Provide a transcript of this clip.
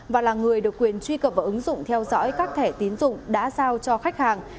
và là người được quyền truy cập vào ứng dụng theo dõi các thẻ tín dụng đã giao cho khách hàng